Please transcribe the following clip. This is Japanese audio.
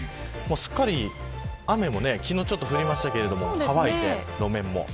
すっかり雨も昨日ちょっと降りましたが乾いて路面も。